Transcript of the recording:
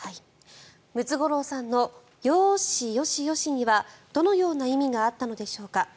ムツゴロウさんのよーし、よしよしにはどのような意味があったのでしょうか。